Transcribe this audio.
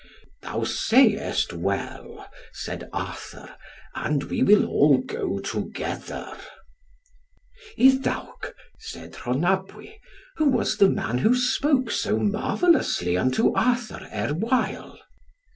"Thou sayest well," said Arthur, "and we will go all together." "Iddawc," said Rhonabwy, "who was the man who spoke so marvellously unto Arthur erewhile?"